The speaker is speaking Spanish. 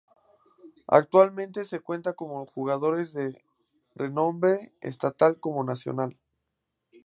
Actualmente cuenta con jugadores de renombre estatal como nacional.